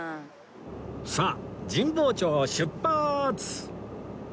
さあ神保町を出発！